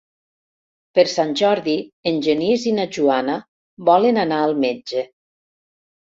Per Sant Jordi en Genís i na Joana volen anar al metge.